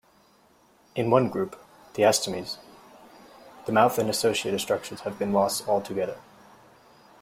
In one group, the astomes, the mouth and associated structures have been lost altogether.